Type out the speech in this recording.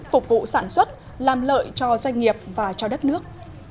phục vụ sản xuất làm lợi cho doanh nghiệp và cho đất nước